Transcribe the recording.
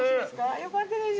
よかったです